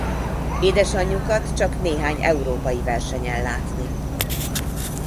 Édesanyjukat csak néhány európai versenyen látni.